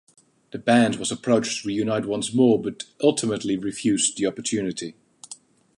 The band was approached to reunite once more, but ultimately refused the opportunity.